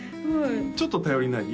ちょっと頼りない？